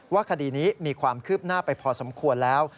คดีนี้มีความคืบหน้าไปพอสมควรแล้ว